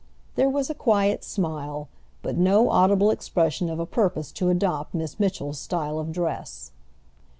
There was a quiet smile, but no audible expression of a purpose to adopt Miss Mitchell's style of dress.